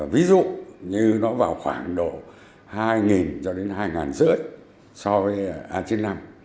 ví dụ như nó vào khoảng độ hai cho đến hai năm trăm linh so với a chín mươi năm